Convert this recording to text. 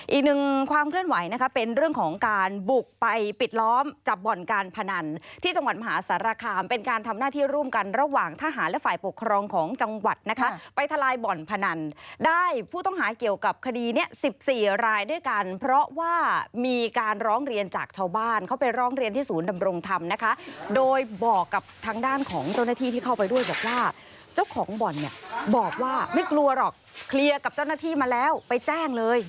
อีกหนึ่งความเคลื่อนไหวนะคะเป็นเรื่องของการบุกไปปิดล้อมจับบ่อนการพนันที่จังหวัดมหาสารคามเป็นการทำหน้าที่ร่วมกันระหว่างทหารและฝ่ายปกครองของจังหวัดนะคะไปทลายบ่อนพนันได้ผู้ต้องหาเกี่ยวกับคดีเนี้ยสิบสี่รายด้วยกันเพราะว่ามีการร้องเรียนจากชาวบ้านเขาไปร้องเรียนที่ศูนย์ดำรงธรรมนะคะโดยบอกกับทาง